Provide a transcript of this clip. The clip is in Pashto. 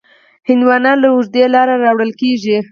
هندوانه له اوږده لاره راوړل کېږي.